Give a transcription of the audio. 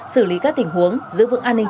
xử lý các tình huống giữ vững an ninh